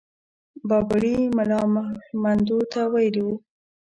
بابړي ملا مهمندو ته ويلي وو.